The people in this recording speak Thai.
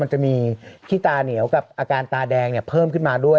มันจะมีขี้ตาเหนียวกับอาการตาแดงเพิ่มขึ้นมาด้วย